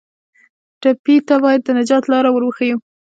ټپي ته باید د نجات لاره ور وښیو.